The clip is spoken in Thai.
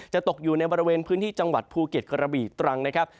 ตกอยู่ในบริเวณพื้นที่จังหวัดภูเก็ตกระบีตรังนะครับ